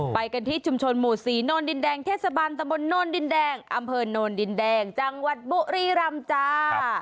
ไปกันที่ชุมชนหมู่ศรีโนนดินแดงเทศบาลตะบนโนนดินแดงอำเภอโนนดินแดงจังหวัดบุรีรำจ้า